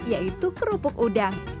yaitu kerupuk udang